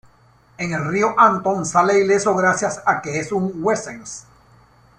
En el río Anton sale ileso gracias a que es un wesen.